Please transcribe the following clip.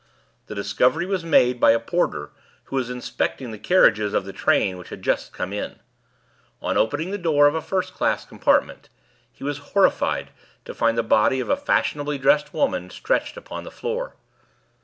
The discovery was made by a porter who was inspecting the carriages of the train which had just come in. On opening the door of a first class compartment, he was horrified to find the body of a fashionably dressed woman stretched upon the floor.